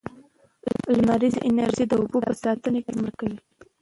لمریزه انرژي د اوبو په ساتنه کې مرسته کوي.